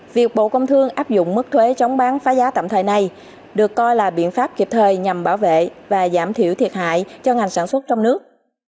việc bộ công thương áp dụng mức thuế chống bán phá giá tạm thời này được coi là biện pháp kịp thời nhằm bảo vệ và giảm thiểu thiệt hại cho ngành sản xuất trong nước